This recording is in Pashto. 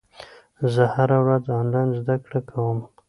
زه هره ورځ انلاین زده کړه کوم.